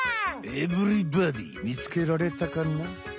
エブリバディーみつけられたかな？